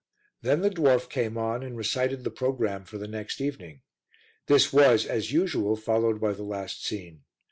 Then the dwarf came on and recited the programme for the next evening. This was, as usual, followed by the last scene.